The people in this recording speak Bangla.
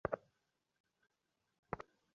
তিনি আরও জমি ক্রয় করেন ।